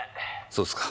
そうっすか。